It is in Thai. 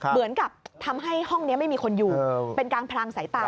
เหมือนกับทำให้ห้องนี้ไม่มีคนอยู่เป็นการพลังสายตา